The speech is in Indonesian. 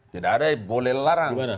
tidak ada yang boleh larang